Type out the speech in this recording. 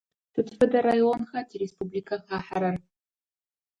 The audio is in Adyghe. Сыд фэдэ районха тиреспубликэ хахьэхэрэр?